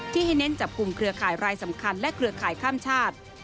ที่ให้เน้นจับกลุ่มเครือข่ายรายสำคัญและเครือข่ายข้ามชาติ